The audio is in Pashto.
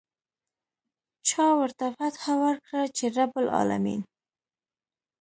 چا ورته فتحه ورکړه چې رب العلمين.